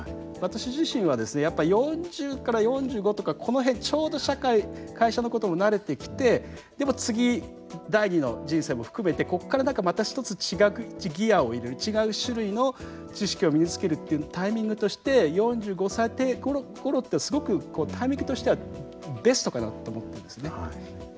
私自身はですねやっぱ４０から４５とかこの辺ちょうど社会会社のことも慣れてきてでも次第２の人生も含めてこっから何かまた一つ違うギアを入れる違う種類の知識を身につけるっていうタイミングとして４５歳ごろっていうのはすごくタイミングとしてはベストかなと思ってるんですね。